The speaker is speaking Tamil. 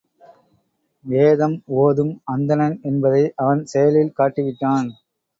வேதம் ஒதும் அந்தணன் என்பதை அவன் செயலில் காட்டி விட்டான்.